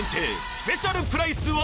スペシャルプライスは？